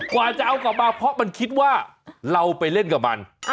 กว่าจะเอากลับมาเพราะมันคิดว่าเราไปเล่นกับมัน